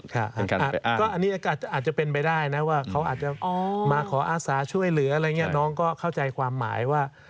อันนี้อาจจะเป็นไปได้นะว่าเขาอาจจะมาขออาสาช่วยเหลืออะไรอย่างนี้น้องก็เข้าใจความหมายว่า